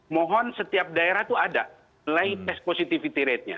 mohon setiap daerah itu ada mulai tes positivity ratenya